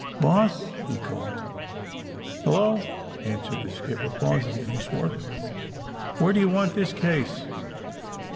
^^Boss!" he called. ^' Hello!" answered the skipper, pausing in his work. *^ Where do you want this case?"